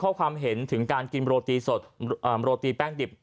ความเห็นถึงการกินโรตีสดโรตีแป้งดิบ